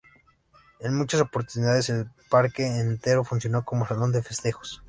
En muchas oportunidades el Parque entero funcionó como "Salón de Festejos".